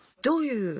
どういう？